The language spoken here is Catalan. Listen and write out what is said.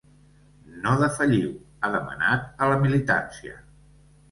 No defalliu, ha demanat a la militància.